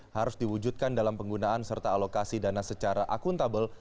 harus diwujudkan dalam penggunaan serta alokasi dana secara akuntabel